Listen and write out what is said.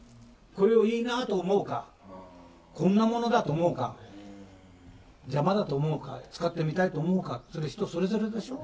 「これをいいなと思うかこんなものだと思うか邪魔だと思うか使ってみたいと思うかそれ人それぞれでしょ？」